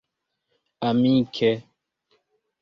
amike